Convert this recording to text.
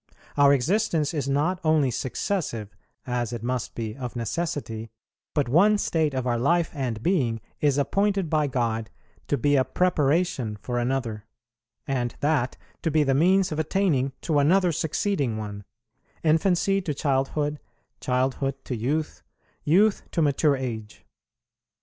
Our existence is not only successive, as it must be of necessity, but one state of our life and being is appointed by God to be a preparation for another; and that to be the means of attaining to another succeeding one: infancy to childhood, childhood to youth, youth to mature age.